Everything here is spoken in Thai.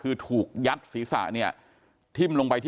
กลุ่มตัวเชียงใหม่